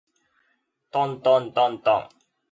とんとんとんとん